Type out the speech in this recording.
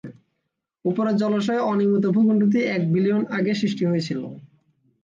উপরের জলাশয়ের অনিয়মিত ভূখণ্ডটি এক বিলিয়ন বছর আগে সৃষ্টি হয়েছিল।